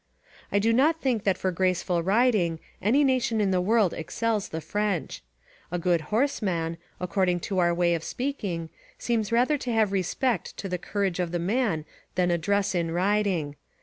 I do not think that for graceful riding any nation in the world excels the French. A good horseman, according to our way of speaking, seems rather to have respect to the courage of the man than address in riding.